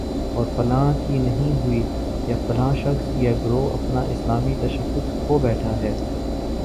اور فلاں کی نہیں ہوئی، یا فلاں شخص یا گروہ اپنا اسلامی تشخص کھو بیٹھا ہے